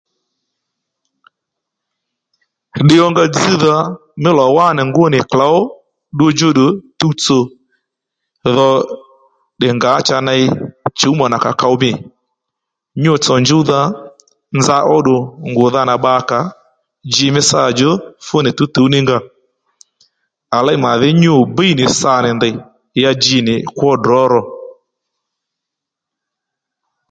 Ddiy ónga dzźdha mí lò wánì ngú nì klǒw ddudjú ddù tuwtsò dho tdè ngǎ cha ney chǒmà nà ka kow mî nyû tsò njúwdha nza óddù ngùdha ndanà bbakǎ dji mí sâ djú fúnì tǔwtǔw ní nga à léy màdhí nyû bíy nì sa nì ndèy ya dji nì kwo drǒ ro